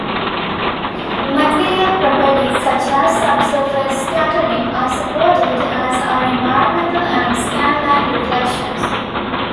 Material properties such as subsurface scattering are supported as are environmental and scan-line reflections.